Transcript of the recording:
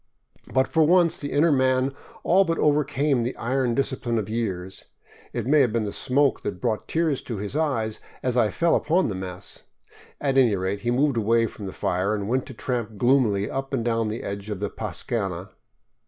But for once the inner man all but overcame the iron discipline of years. It may have been the smoke that brought tears to his eyes as I fell upon the mess ; at any rate he moved away from the fire and went to tramp gloomily up and down the edge of the pascana.